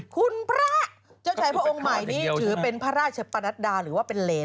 คุณพระเจ้าชัยพระองค์ใหม่นี้ถือเป็นพระราชปนัดดาหรือว่าเป็นเหรน